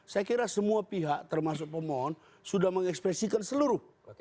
saya kira semua pihak termasuk pemohon sudah mengekspresikan seluruh